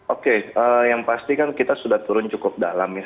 oke yang pasti kan kita sudah turun cukup dalam ya